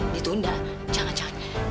ditunda jangan jangan